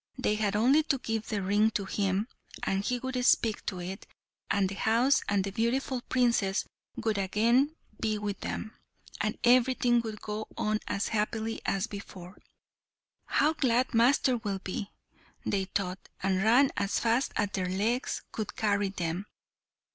They had only to give the ring to him, and he would speak to it, and the house and beautiful princess would again be with them, and everything would go on as happily as before. "How glad master will be!" they thought, and ran as fast as their legs could carry them.